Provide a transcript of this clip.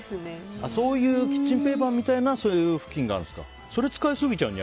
そういうキッチンペーパーみたいなふきんがある。